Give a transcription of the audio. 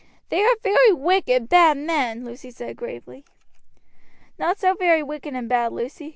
"They are very wicked, bad men," Lucy said gravely. "Not so very wicked and bad, Lucy.